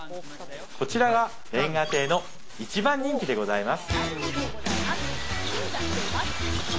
こちらが煉瓦亭の一番人気でございます。